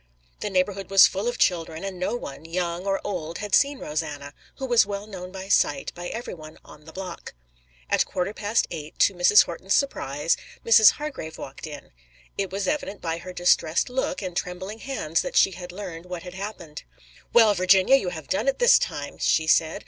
The neighborhood was full of children, and no one, young or old, had seen Rosanna, who was well known by sight by everyone on the block. At quarter past eight, to Mrs. Horton's surprise, Mrs. Hargrave walked in. It was evident by her distressed look and trembling hands that she had learned what had happened. "Well, Virginia, you have done it this time!" she said.